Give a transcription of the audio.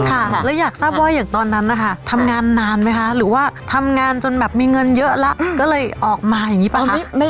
ค่ะแล้วอยากทราบว่าอย่างตอนนั้นนะคะทำงานนานไหมคะหรือว่าทำงานจนแบบมีเงินเยอะแล้วก็เลยออกมาอย่างนี้เปล่า